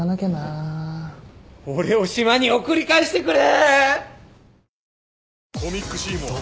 俺を島に送り返してくれ！